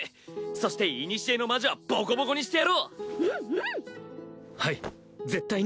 そして古の魔女はボコボコにしてやろう！